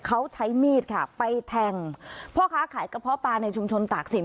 เขาใช้มีดค่ะไปแทงพ่อค้าขายกระเพาะปลาในชุมชนตากศิล